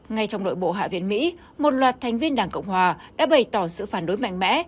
ngay trong nội bộ hạ viện mỹ một loạt thành viên đảng cộng hòa đã bày tỏ sự phản đối mạnh mẽ